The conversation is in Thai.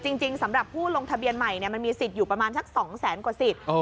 จริงสำหรับผู้ลงทะเบียนใหม่มันมีสิทธิ์อยู่ประมาณสัก๒แสนกว่าสิทธิ์